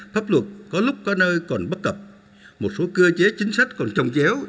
pháp luật có lúc có nơi còn bất cập một số cơ chế chính sách còn trồng chéo